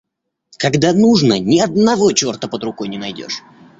Когда нужно ни одного чёрта под рукой не найдешь.